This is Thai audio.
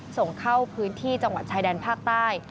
ส่งเข้าพื้นที่จังหวัดชายแดนภาคใต้